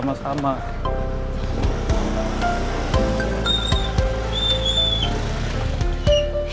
oke makasih sama sama